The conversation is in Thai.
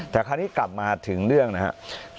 แต่คราวนี้กลับมาถึงเรื่องนะครับ